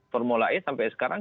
formula e sampai sekarang